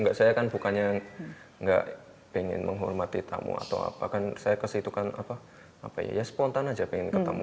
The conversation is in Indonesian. enggak saya kan bukannya nggak pengen menghormati tamu atau apa kan saya ke situ kan apa ya spontan aja pengen ketemu